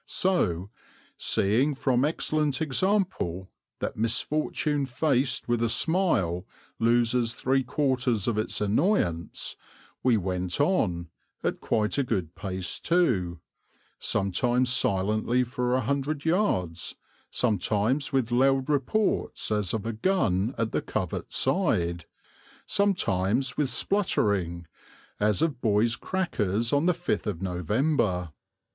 So, seeing from excellent example, that misfortune faced with a smile loses three quarters of its annoyance, we went on, at quite a good pace too, sometimes silently for a hundred yards, sometimes with loud reports as of a gun at the covert side, sometimes with spluttering as of boys' crackers on the 5th of November.